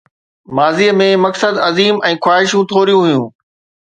ماضي ۾، مقصد عظيم ۽ خواهشون ٿوريون هيون.